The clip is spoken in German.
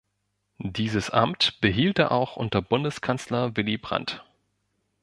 Dieses Amt behielt er auch unter Bundeskanzler Willy Brandt.